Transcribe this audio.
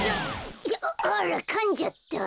ああらかんじゃった。